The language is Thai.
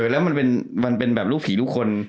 แล้วมันเป็นแบบลูกผีทุกคน